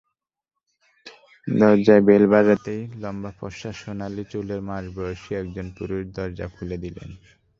দরজায় বেল বাজাতেই লম্বা-ফরসা সোনালি চুলের মাঝবয়সী একজন পুরুষ দরজা খুলে দিলেন।